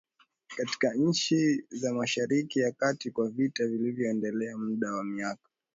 katika nchi za Mashariki ya Kati kwa vita vilivyoendelea muda wa miaka